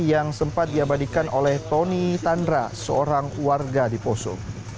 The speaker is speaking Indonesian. yang sempat diabadikan oleh tony tandra seorang warga di poso